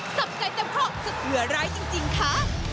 ศัพท์ใจเต็มพร่อศักดิ์เหลือร้ายจริงค่ะ